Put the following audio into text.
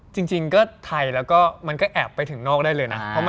จริงก็ไทยแล้วก็มันก็แอบไปถึงนอกได้เลยนะ